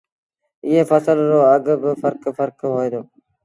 ايئي ڦسل رو اگھ با ڦرڪ ڦرڪ هوئي دو